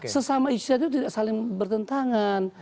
sesama isyat itu tidak saling bertentangan